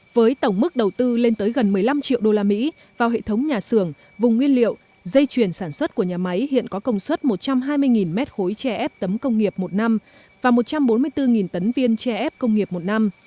với tổng mức đầu tư lên tới gần một mươi năm triệu đô la mỹ vào hệ thống nhà xưởng vùng nguyên liệu dây chuyển sản xuất của nhà máy hiện có công suất một trăm hai mươi mét khối tre ép tấm công nghiệp một năm và một trăm bốn mươi bốn tấn viên tre ép công nghiệp một năm